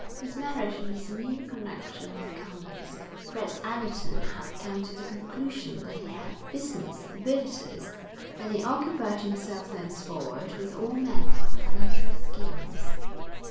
With marriage and his new connection with commerce Fred Allerton had come to the conclusion that he had business abilities, and he occupied himself thenceforward with all manner of financial schemes.